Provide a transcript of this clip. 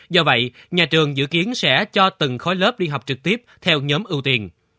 do vậy nhà trường dự kiến sẽ cho từng khối lớp đi học trực tiếp theo nhóm ưu tiên